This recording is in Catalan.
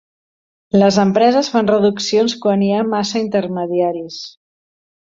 Les empreses fan reduccions quan hi ha massa intermediaris.